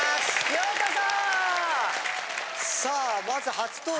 ようこそ！